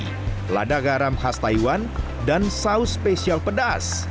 daging lada garam khas taiwan dan saus spesial pedas